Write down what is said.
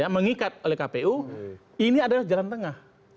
mengikat oleh kpu ini adalah jalan tengah